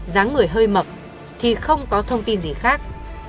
dáng người hơi mập thì không có thông tin gì khác